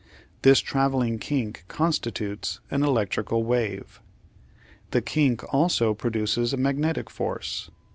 This travelling kink constitutes an electric wave. The kink also produces a magnetic force.